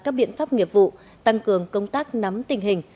các biện pháp nghiệp vụ tăng cường công tác nắm tình hình